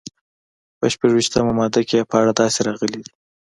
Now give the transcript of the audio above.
په شپږویشتمه ماده کې یې په اړه داسې راغلي دي.